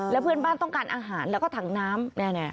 แล้วเพื่อนบ้านต้องการอาหารแล้วก็ถังน้ำ